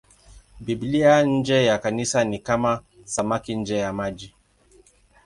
Biblia nje ya Kanisa ni kama samaki nje ya maji.